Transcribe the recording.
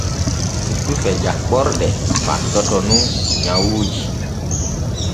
Tufe jaɓɓorɗe faddoto nun nyawuuji.